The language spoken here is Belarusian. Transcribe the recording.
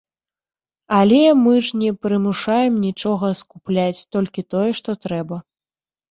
Але мы ж не прымушаем нічога скупляць, толькі тое, што трэба.